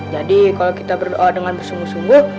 jadi kalo kita berdoa dengan bersungguh sungguh